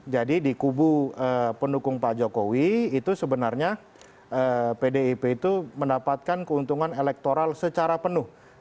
di kubu pendukung pak jokowi itu sebenarnya pdip itu mendapatkan keuntungan elektoral secara penuh